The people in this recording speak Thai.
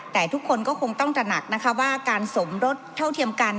แต่ทุกคนก็คงต้องตระหนักนะคะว่าการสมรสเท่าเทียมกัน